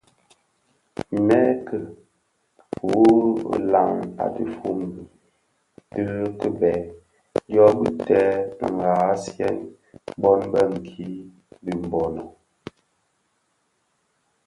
Merke wu nlan dhifombi di kibèè dyo bigtèn nghaghasiyen bon bë nki di Mbono.